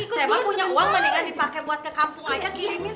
saya mah punya uang mendingan dipake buatnya kampung aja kirimin